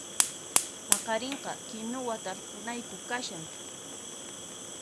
Paqarinqa kinuwa tarpunayku kashan